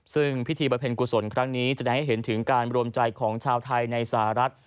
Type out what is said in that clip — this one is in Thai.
ซึ่งพิธีประเพ็ญกุศลครั้งนี้แสดงให้เห็นถึงการรวมใจของชาวไทยในสหรัฐ